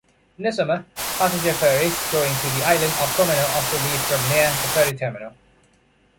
In the summer, passenger ferries going to the island of Comino also leave from near the ferry terminal.